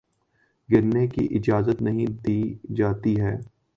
گرنے کی اجازت نہیں دی جاتی ہے